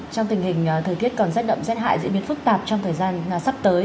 trong tình hình thời tiết còn rất đậm rất hại diễn biến phức tạp trong thời gian sắp tới